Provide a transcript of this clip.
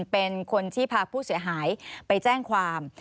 เป็นคนที่พาผู้เสียหายไปแจ้งความ